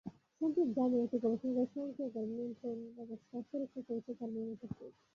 সম্প্রতি জার্মানির একটি গবেষণাগারে স্বয়ংক্রিয় গাড়ি নিয়ন্ত্রণব্যবস্থা পরীক্ষা করেছে গাড়ি নির্মাতা ফোর্ড।